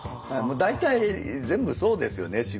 大体全部そうですよね。